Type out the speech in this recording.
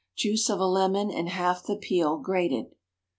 Juice of a lemon and half the peel, grated.